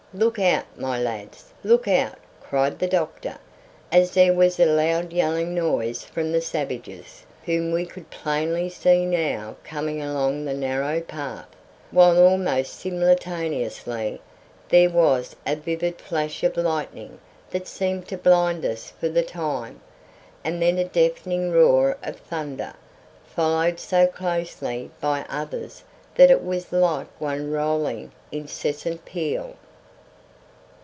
look out, my lads! look out!" cried the doctor, as there was a loud yelling noise from the savages, whom we could plainly see now coming along the narrow path, while almost simultaneously there was a vivid flash of lightning that seemed to blind us for the time, and then a deafening roar of thunder, followed so closely by others that it was like one rolling, incessant peal.